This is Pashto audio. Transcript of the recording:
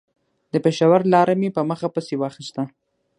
د پېښور لاره مې په مخه پسې واخيسته.